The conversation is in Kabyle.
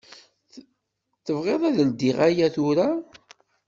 Tebɣiḍ ad ldiɣ aya tura?